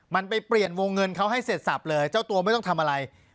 มันไปเปลี่ยนวงเงินเขาให้เสร็จสับเลยเจ้าตัวไม่ต้องทำอะไร